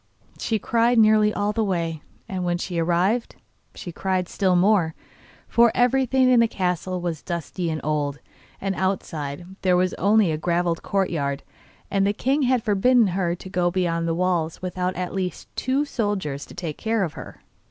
She cried nearly all the way, and when she arrived she cried still more, for everything in the castle was dusty and old, and outside there was only a gravelled courtyard, and the king had forbidden her to go beyond the walls without at least two soldiers to take care of her.